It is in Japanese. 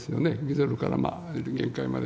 ゼロから限界まで。